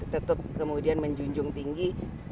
tetep kemudian menjunjung tinggi